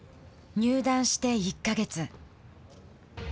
入団して１か月。